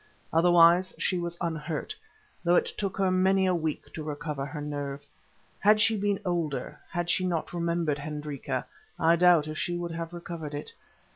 Otherwise she was unhurt, though it took her many a week to recover her nerve. Had she been older, and had she not remembered Hendrika, I doubt if she would have recovered it.